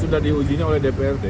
sudah diujinya oleh dprd